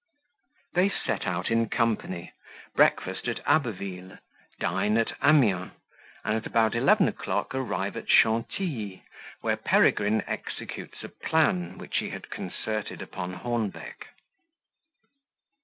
They set out in company, breakfast at Abbeville, dine at Amiens and, about eleven o'clock, arrive at Chantilly where Peregrine executes a Plan which he had concerted upon Hornbeck.